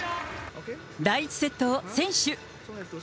第１セットを先取。